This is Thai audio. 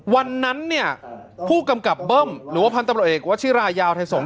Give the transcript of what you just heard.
วันนั้นเนี่ยผู้กำกับเบิ้มหรือว่าพันธุ์ตำรวจเอกวชิรายาวไทยสงศ